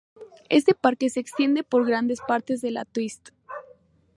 Este parque se extiende por grandes partes de la Twist.